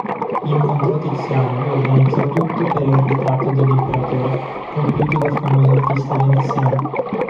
Incontrò Tiziano e organizzò tutto per il ritratto dell'imperatore compiuto dal famoso artista veneziano.